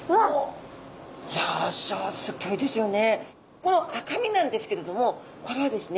この赤身なんですけれどもこれはですね